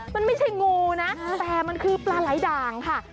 มันไม่ใช่งูนะแต่มันคือปลาไหลด่างค่ะ